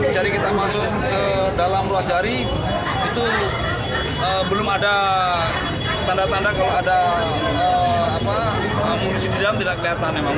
jari kita masuk sedalam luas jari itu belum ada tanda tanda kalau ada mulusi di dalam tidak kelihatan memang